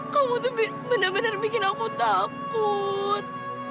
kamu tuh bener bener bikin aku takut